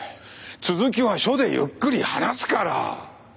続きは署でゆっくり話すから。